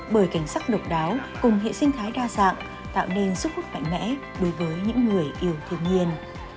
bởi cảnh sắc độc đáo cùng hệ sinh thái đa dạng tạo nên sức hút mạnh mẽ đối với những người yêu thiên nhiên